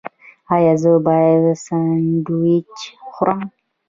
ایا زه باید سنډویچ وخورم؟